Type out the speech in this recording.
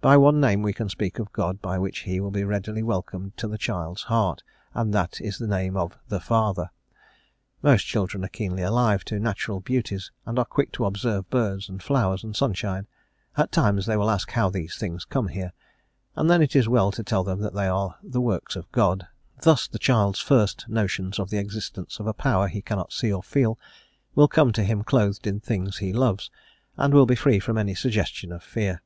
By one name we can speak of God by which He will be readily welcomed to the child's heart, and that is the name of the Father. Most children are keenly alive to natural beauties, and are quick to observe birds, and flowers, and sunshine; at times they will ask how these things come there, and then it is well to tell them that they are the works of God Thus the child's first notions of the existence of a Power he cannot see or feel will come to him clothed in the things he loves, and will be free from any suggestion of fear.